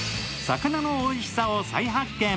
魚のおいしさを再発見。